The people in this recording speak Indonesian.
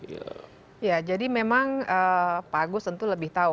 ya jadi memang pak agus tentu lebih tahu